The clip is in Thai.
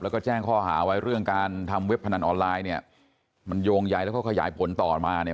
แล้วก็แจ้งข้อหาไว้เรื่องการทำเว็บพนันออนไลน์เนี่ยมันโยงใยแล้วก็ขยายผลต่อมาเนี่ย